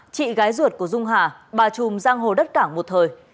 chị gái ruột của dung hà bà trùm giang hồ đất cảng một thời